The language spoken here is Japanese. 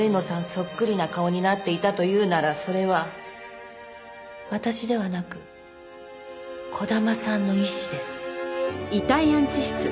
そっくりな顔になっていたというならそれは私ではなく児玉さんの意思です。